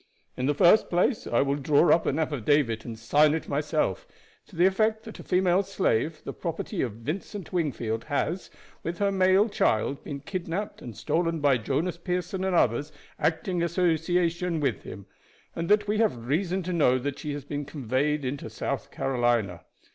In the first place, I will draw up an affidavit and sign it myself, to the effect that a female slave, the property of Vincent Wingfield, has, with her male child, been kidnaped and stolen by Jonas Pearson and others acting in association with him, and that we have reason to know that she has been conveyed into South Carolina.